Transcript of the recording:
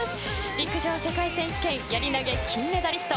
陸上世界選手権やり投げ金メダリスト